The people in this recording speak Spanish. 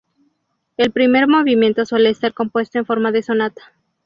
El primer movimiento suele estar compuesto en forma de sonata.